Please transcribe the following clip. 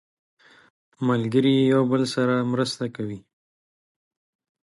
ملګري یو بل سره مرسته کوي